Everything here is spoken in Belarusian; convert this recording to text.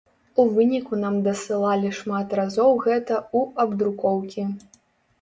У выніку нам дасылалі шмат разоў гэта ў абдрукоўкі.